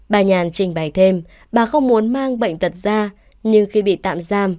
bà nhàn trình bày thêm bà không muốn mang bệnh tật ra nhưng khi bị tạm giam